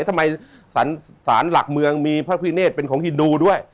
ทำไมสารหลักเมืองมีพระพิเนธเป็นของฮินดูด้วย